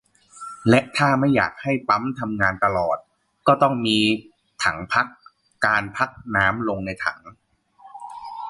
และถ้าไม่อยากให้ปั๊มทำงานตลอด ก็ต้องมีถังพัก การพักน้ำลงในถัง